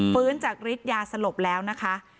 ฟื้นจากฤทธิยาสลบแล้วนะคะ